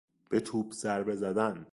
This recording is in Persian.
به توپ ضربه زدن